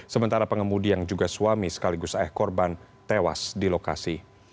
sementara pengemudi yang juga suami sekaligus ayah korban tewas di lokasi